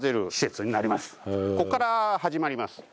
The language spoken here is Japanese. ここから始まります。